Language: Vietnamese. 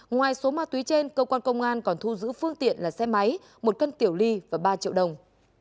ngoài số ma túy trên cơ quan công an còn thu giữ phương tiện là xe máy một cân tiểu ly và ba triệu đồng